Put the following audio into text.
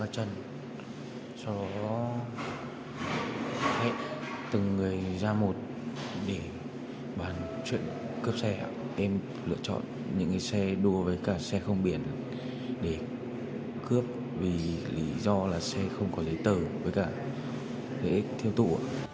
chuyện cướp xe em lựa chọn những cái xe đua với cả xe không biển để cướp vì lý do là xe không có giấy tờ với cả để thiêu tụ